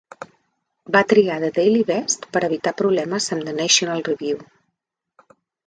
Va triar "The Daily Beast" per evitar problemes amb "National Review".